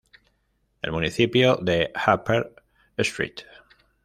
El municipio de Upper St.